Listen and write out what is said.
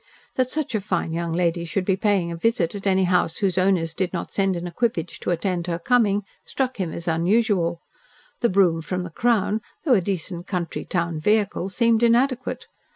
That such a fine young lady should be paying a visit at any house whose owners did not send an equipage to attend her coming, struck him as unusual. The brougham from the "Crown," though a decent country town vehicle, seemed inadequate.